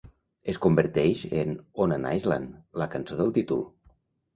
Es converteix en "On an Island", la cançó del títol.